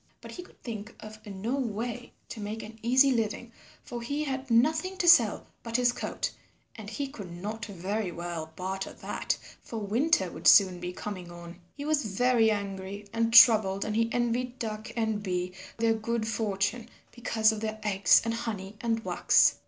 But he could think of no way to make an easy living, for he had nothing to sell but his coat, and he could not very well barter that, for winter would soon be coming on. He was very angry and troubled and he envied Duck and Bee their good fortune because of their eggs and honey and wax.